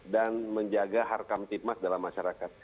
dan menjaga harkam timas dalam masyarakat